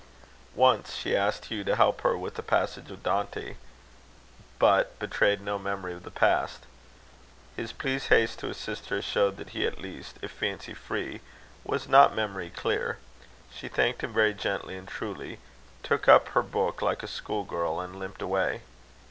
Once she asked Hugh to help her with a passage of Dante, but betrayed no memory of the past. His pleased haste to assist her, showed that he at least, if fancy free, was not memory clear. She thanked him very gently and truly, took up her book like a school girl, and limped away.